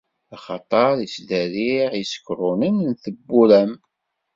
Axaṭer ittderriɛ izekrunen n tewwura-m.